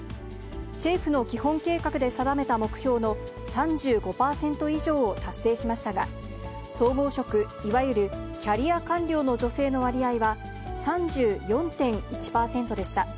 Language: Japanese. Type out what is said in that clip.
政府の基本計画で定めた目標の３５％以上を達成しましたが、総合職、いわゆるキャリア官僚の女性の割合は３４．１％でした。